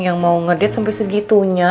yang mau ngedit sampai segitunya